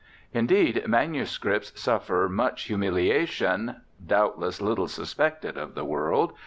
Indeed, manuscripts suffer much humiliation, doubtless little suspected of the world.